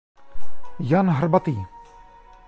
Jan Hrbatý.